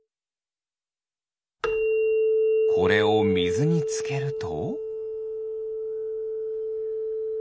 これをみずにつけると？